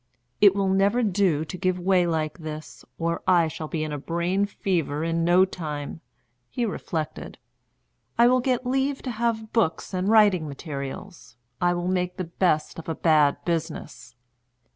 "It will never do to give way like this, or I shall be in a brain fever in no time," he reflected. "I will get leave to have books and writing materials. I will make the best of a bad business."